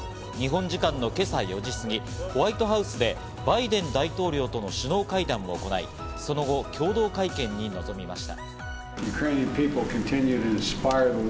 日本時間の今朝４時すぎホワイトハウスでバイデン大統領との首脳会談を行い、その後、共同会見に臨みました。